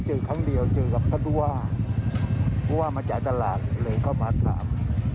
เจอครั้งเดียวเจอกับพระดุว่าเพราะว่ามาจากตลาดเลยเข้ามาถาม